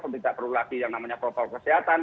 tidak perlu lagi yang namanya protokol kesehatan